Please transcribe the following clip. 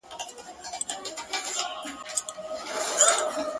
نه له کلا، نه له ګودر، نه له کېږدیه راځي؛